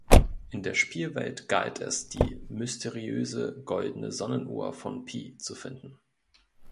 In der Spielwelt galt es, die mysteriöse Goldene Sonnenuhr von Pi zu finden.